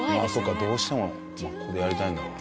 どうしてもここでやりたいんだろうね。